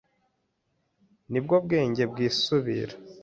ni bwo ubwenge bwisubira,